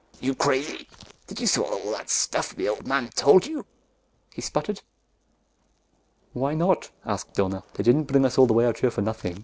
You crazy? Did you swallow all that stuff the old man told you?" he sputtered. "Why not?" asked Donna. "They didn't bring us all the way out here for nothing.